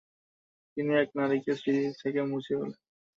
তিনি এই নারীকে স্মৃতি থেকে মুছে ফেলেন।